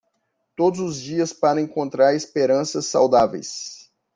Todos os dias para encontrar esperanças saudáveis